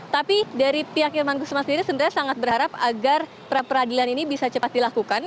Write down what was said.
tapi dari pihak irman gusman sendiri sebenarnya sangat berharap agar pra peradilan ini bisa cepat dilakukan